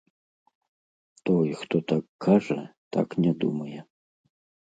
Той, хто так кажа, так не думае.